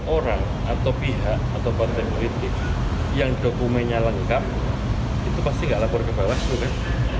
orang atau pihak atau partai politik yang dokumennya lengkap itu pasti nggak lapor ke bawaslu kan